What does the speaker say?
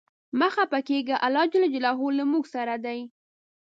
مه خپه کیږه ، الله ج له مونږ سره دی.